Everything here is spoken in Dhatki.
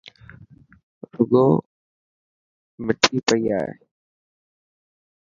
روگو مٺي پئي اي.